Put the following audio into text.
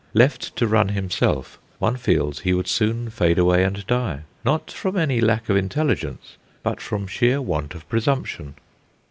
Left to run himself, one feels he would soon fade away and die, not from any lack of intelligence, but from sheer want of presumption.